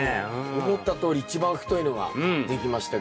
思ったとおり一番太いのができましたけど。